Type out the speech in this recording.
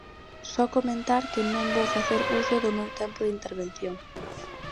Só comentar que non vou facer uso do meu tempo de intervención.